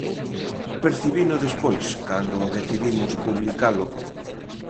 Percibino despois, cando decidimos publicalo.